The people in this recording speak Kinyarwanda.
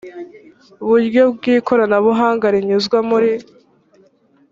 buryo bw ikoranabuhanga rinyuzwa muri